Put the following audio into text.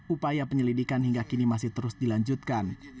upaya penyelidikan hingga kini masih terus dilanjutkan